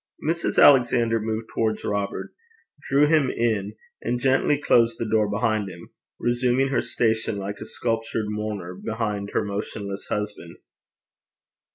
Mrs. Alexander moved towards Robert, drew him in, and gently closed the door behind him, resuming her station like a sculptured mourner behind her motionless husband.